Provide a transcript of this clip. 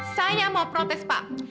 saya mau protes pak